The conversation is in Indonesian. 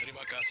ini udah kaget